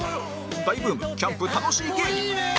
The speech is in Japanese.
大ブームキャンプたのしい芸人